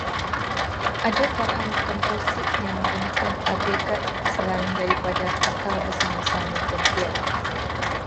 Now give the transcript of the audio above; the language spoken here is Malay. Ada bahan komposit yang menggunakan aggregrat selain daripada, atau bersama-sama gentian